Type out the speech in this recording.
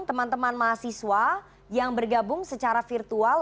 teman teman mahasiswa yang bergabung secara virtual